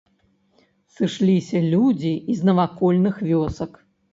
Сышліся людзі і з навакольных вёсак.